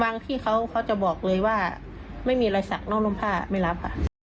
บางที่เขาจะบอกเลยว่าไม่มีรอยศักดิ์นอกร่มพาไม่รับค่ะ